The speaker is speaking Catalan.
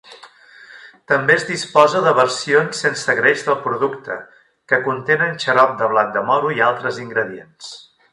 També es disposa de versions sense greix del producte, que contenen xarop de blat de moro i altres ingredients.